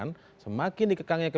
namun sebagian pihak lagi mengkhawatirkan